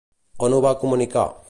On ho va comunicar?